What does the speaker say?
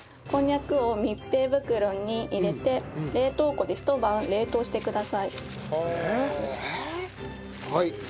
こんにゃくを密閉袋に入れて冷凍庫でひと晩冷凍してください。